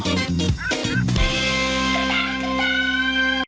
โปรดติดตามตอนต่อไป